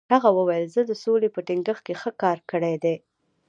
هغه وویل، زه د سولې په ټینګښت کې ښه کار کړی دی.